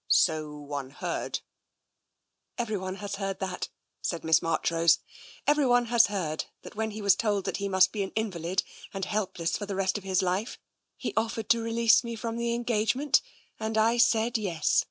" So one heard." " Everyone has heard that," said Miss Marchrose. " Everyone has heard that when he was told that he must be an invalid and helpless for the rest of his life he offered to release me from the engagement — and TENSION 151 I said yes.